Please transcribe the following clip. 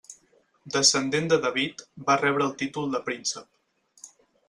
Descendent de David, va rebre el títol de príncep.